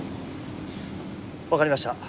わかりました。